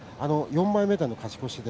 ４枚目での勝ち越しで